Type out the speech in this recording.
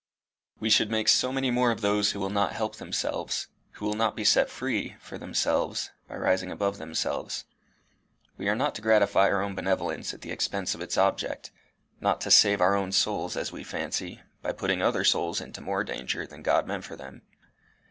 We should make so many more of those who will not help themselves who will not be set free from themselves by rising above themselves. We are not to gratify our own benevolence at the expense of its object not to save our own souls as we fancy, by putting other souls into more danger than God meant for them."